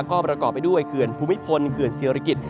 ก็ประกอบไปด้วยเครื่องภูมิพลเครื่องเศรษฐศิริกิต